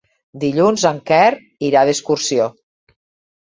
Dilluns en Quer irà d'excursió.